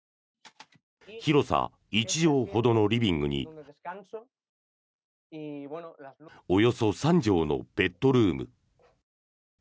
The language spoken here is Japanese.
広さ１畳ほどのリビングにおよそ３畳のベッドルーム。